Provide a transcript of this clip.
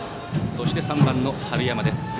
そして、３番の春山です。